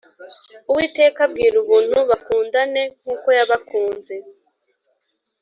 Uwiteka abwira Ubuntu bakundane nkuko yabakunze